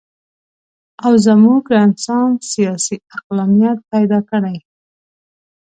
او زموږ رنسانس سیاسي عقلانیت پیدا کړي.